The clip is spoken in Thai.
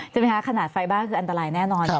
ใช่ไหมคะขนาดไฟบ้านคืออันตรายแน่นอน